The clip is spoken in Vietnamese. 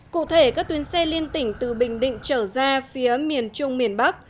cụ thể các tuyến xe liên tỉnh từ bình định trở ra phía miền trung miền bắc